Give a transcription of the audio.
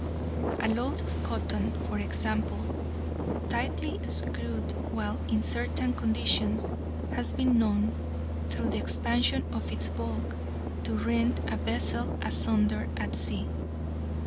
A load of cotton, for example, tightly screwed while in certain conditions, has been known, through the expansion of its bulk, to rend a vessel asunder at sea.